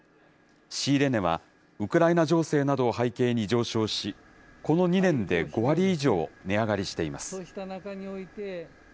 仕入れ値はウクライナ情勢などを背景に上昇し、この２年で５割以上値上がりしています。